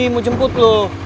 mau jemput lo